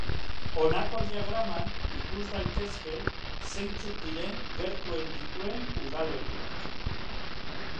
Honako diagraman ikus daitezke zeintzuk diren gertuen dituen udalerriak.